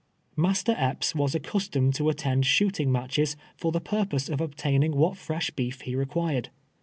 Master E])ps was accustomed to attend shooting matches for the purpose of obtaining what fresh beef he required.